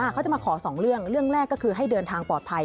เขาจะมาขอสองเรื่องเรื่องแรกก็คือให้เดินทางปลอดภัย